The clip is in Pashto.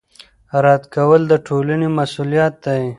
رد کول د ټولنې مسوولیت دی